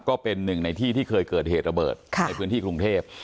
ก็เป็นหนึ่งในที่ที่เคยเกิดเหตุระเบิดในพื้นที่กรุงเทพ